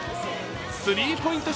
スリーポイント